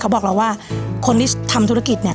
บอกเราว่าคนที่ทำธุรกิจเนี่ย